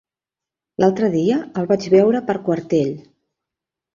L'altre dia el vaig veure per Quartell.